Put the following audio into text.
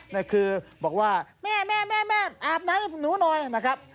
นี่คือบอกว่าแม่แม่อาบน้ำให้หนูหน่อยนะครับ